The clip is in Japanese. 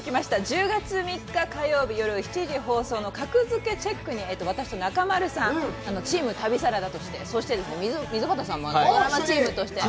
１０月３日火曜日、夜７時放送の「格付けチェック」に私と中丸さん、チーム旅サラダとしてそして、溝端さんもドラマチームとして。